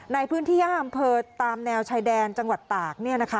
ในพื้นที่๕อำเภอตามแนวชายแดนจังหวัดตาก